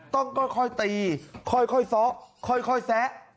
ต้องค่อยตีค่อยซ้อค่อยแซะ